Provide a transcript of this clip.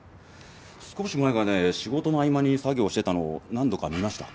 少し前まで仕事の合間に作業してたのを何度か見ました。